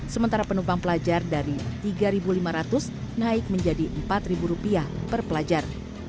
sementara penumpang pelajar dari rp tiga lima ratus naik menjadi rp empat per pelajar